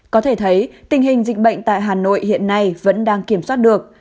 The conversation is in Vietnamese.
có thể thấy tình hình dịch bệnh tại hà nội hiện nay vẫn đang kiểm soát được